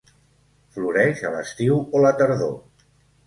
Floreix a l'estiu o la tardor.